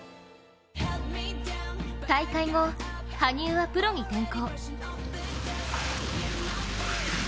大会後、羽生はプロに転向。